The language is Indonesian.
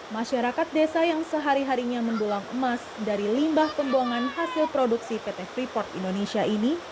masyarakat desa yang sehari harinya mendulang emas dari limbah pembuangan hasil produksi pt freeport indonesia ini